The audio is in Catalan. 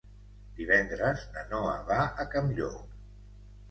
Divendres na Noa va a Campllong.